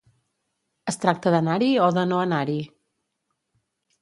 Es tracta d'anar-hi o de no anar-hi?